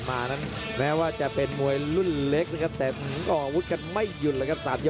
มันจะเป็นมวยลุ่นเล็กที่สุดท้าย